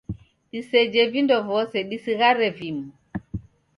Disejhe vindo vose, disighare vimu.